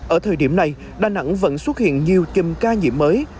ở thời điểm này đà nẵng vẫn xuất hiện nhiều chùm ca nhiễm mới